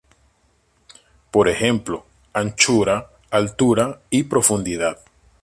Por ejemplo, anchura, altura y profundidad.